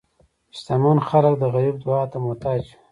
شتمن خلک د غریب دعا ته محتاج وي.